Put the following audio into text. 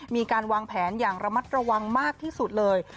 มีการวางแผนอย่างระมัดระวังมากที่สุดเลย